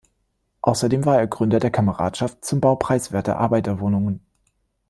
Außerdem war er Gründer der Kameradschaft zum Bau preiswerter Arbeiterwohnungen.